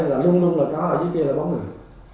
là luôn luôn có ở dưới kia là bóng rừng